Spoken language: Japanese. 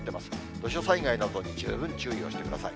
土砂災害などに十分注意をしてください。